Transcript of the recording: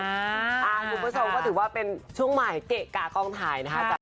คุณผู้ชมก็ถือว่าเป็นช่วงใหม่เกะกากล้องถ่ายนะคะ